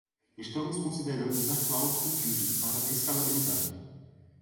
Estamos considerando usar cloud computing para escalabilidade.